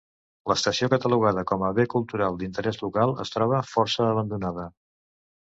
L'estació, catalogada com a Bé Cultural d'Interès Local, es troba força abandonada.